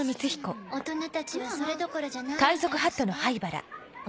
大人たちはそれどころじゃないみたいだしね。